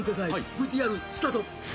ＶＴＲスタート。